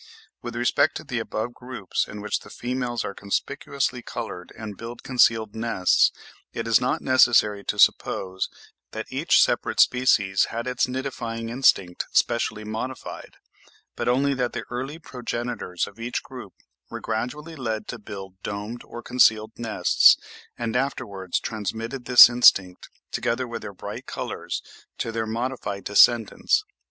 With respect to the above groups in which the females are conspicuously coloured and build concealed nests, it is not necessary to suppose that each separate species had its nidifying instinct specially modified; but only that the early progenitors of each group were gradually led to build domed or concealed nests, and afterwards transmitted this instinct, together with their bright colours, to their modified descendants.